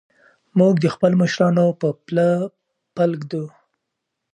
موږ د خپلو مشرانو په پله پل ږدو.